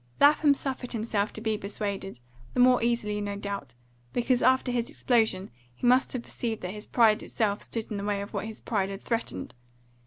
Lapham suffered himself to be persuaded, the more easily, no doubt, because after his explosion he must have perceived that his pride itself stood in the way of what his pride had threatened.